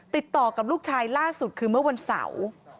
ติดต่อกับลูกชายล่าสุดคือเมื่อวันเสาร์